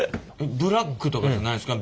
ブラックとかじゃないんですか？